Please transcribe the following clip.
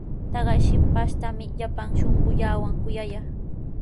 Taqay shipashtami llapan shunquuwan kuyallaa.